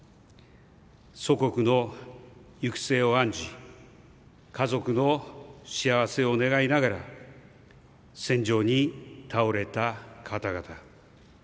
祖国の行く末を案じ家族の幸せを願いながら戦場に斃れた方々。